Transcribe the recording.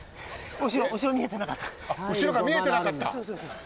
後ろ、見えてなかった。